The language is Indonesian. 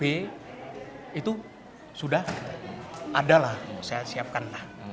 yang b itu sudah ada lah saya siapkan lah